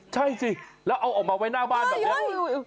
ใช่สิแล้วเอาออกมาไว้หน้าบ้านแบบนี้